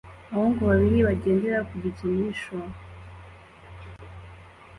Abahungu babiri bagendera ku gikinisho